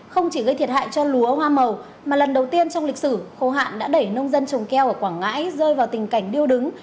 không chỉ gây thiệt hại cho lúa hoa màu mà lần đầu tiên trong lịch sử khô hạn đã đẩy nông dân trồng keo ở quảng ngãi rơi vào tình cảnh điêu đứng